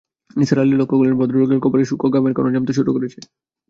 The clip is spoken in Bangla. নিসার আলি লক্ষ করলেন, ভদ্রলোকের কপালে সূক্ষ্ম ঘামের কণা জমতে শুরু করেছে।